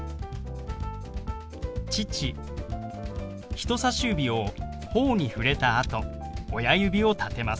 人さし指をほおに触れたあと親指を立てます。